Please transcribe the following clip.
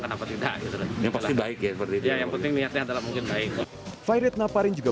kenapa tidak itu yang pasti baik ya yang penting niatnya adalah mungkin baik fahrid naparin juga